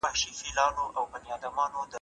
تکنالوژي ډېره ګړندۍ روانه ده.